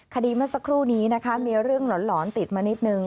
เมื่อสักครู่นี้นะคะมีเรื่องหลอนติดมานิดนึง